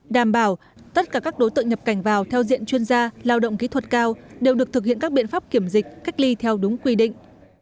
đảm bảo tất cả các đối tượng nhập cảnh vào theo diện chuyên gia lao động kỹ thuật cao đều được thực hiện các biện pháp kiểm dịch cách ly theo đúng quy định